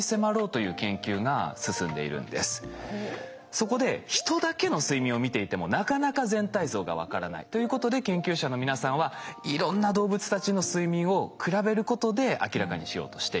そこで人だけの睡眠を見ていてもなかなか全体像が分からない。ということで研究者の皆さんはいろんな動物たちの睡眠を比べることで明らかにしようとしています。